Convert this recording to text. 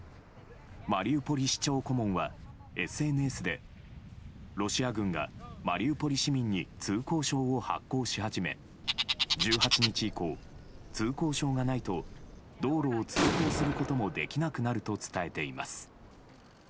マリウポリ市長顧問はＳＮＳでロシア軍がマリウポリ市民に通行証を発行し始め１８日以降、通行証がないと道路を通行することもできなくなると伝えています。